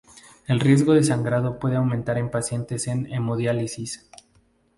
El riesgo de sangrado puede aumentar en pacientes en hemodiálisis.